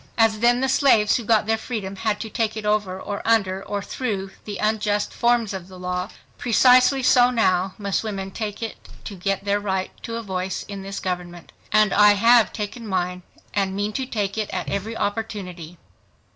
. As then the slaves who got their freedom had to take it over or under or through the unjust forms of the law, precisely so now must women take it to get their right to a voice in this government; and I have taken mine, and mean to take it at every opportunity.